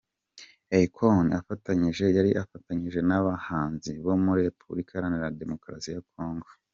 Akon afatanyije yari afatanyije n’abahanzi bo muri Repubulika Iharanira Demokarasi ya Congo.